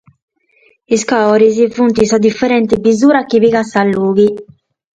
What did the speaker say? is coloris funt sa diferenti bisura chi pigat sa luxi